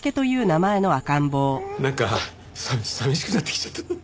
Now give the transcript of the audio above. なんか寂しくなってきちゃった。